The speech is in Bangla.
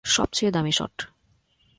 সবচেয়ে দামি শট।